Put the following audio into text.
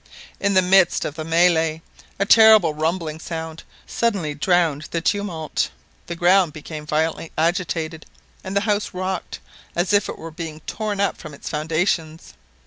In the midst of the mêlée a terrible rumbling sound suddenly drowned the tumult, the ground became violently agitated, and the house rocked as if it were being torn up from its foundations.